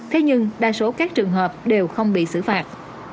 thế nhưng đa số các trường hợp đều không bị xử phạt